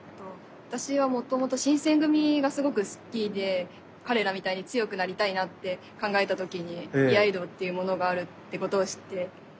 私はもともと新選組がすごく好きで彼らみたいに強くなりたいなって考えた時に居合道っていうものがあるってことを知って。